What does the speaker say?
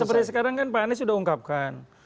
seperti sekarang kan pak anies sudah ungkapkan